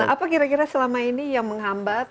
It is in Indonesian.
apa kira kira selama ini yang menghambat